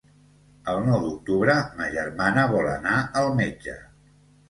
El nou d'octubre ma germana vol anar al metge.